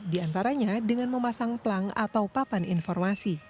diantaranya dengan memasang plang atau papan informasi